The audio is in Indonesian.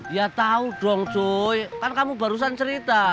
ya tau dong cuy kan kamu barusan cerita